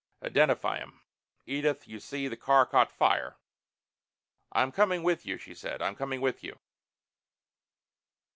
Identify him. Edith! You see, the car caught fire!" "I'm coming with you," she said. "I'm coming with you!"